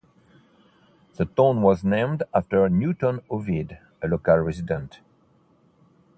The town was named after Newton Ovid, a local resident.